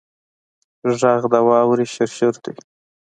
غږ د واورې شرشر دی